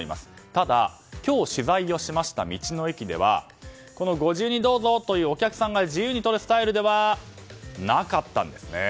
ただ今日取材をしました道の駅ではご自由にどうぞとお客さんが自由にとるスタイルではなかったんですね。